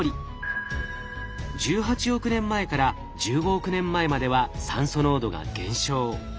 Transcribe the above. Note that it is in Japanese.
１８億年前から１５億年前までは酸素濃度が減少。